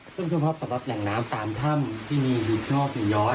ซึ่งเพราะสำหรับแห่งน้ำสามถ้ำที่มีหิวที่นอกหิวย้อย